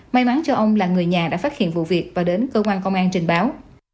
may mắn cho ông là người nhà đã phát hiện vụ việc và đến cơ quan công an trình báo